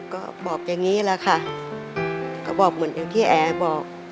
ก็บอกอย่างนี้แหละค่ะก็บอกเหมือนอย่างที่แอร์บอก